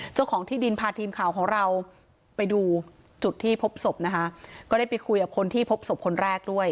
เจ้าของที่ดินพาทีมข่าวของเราไปดูจุดที่พบศพนะคะก็ได้ไปคุยกับคนที่พบศพคนแรกด้วย